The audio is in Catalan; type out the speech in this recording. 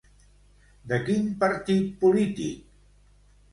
De quin partit polític?